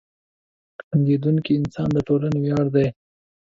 • خندېدونکی انسان د ټولنې ویاړ دی.